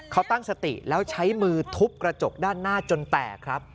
เขาตั้งสติแล้วใช้มือทุบกระจกด้านหน้าจนแตกครับ